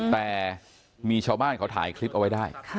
แต่มีชาวบ้านเขาถ่ายคลิปเอาไว้ได้